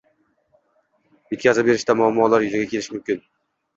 Yetkazib berishda muammolar yuzaga kelishi mumkin.